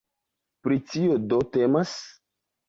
Pri tio, do, temas.